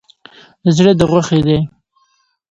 زړه ده غوښی دی